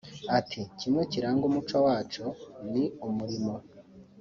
Ati” Kimwe kiranga umuco wacu ni umurimo